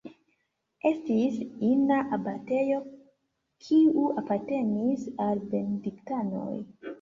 Estis ina abatejo, kiu apartenis al benediktanoj.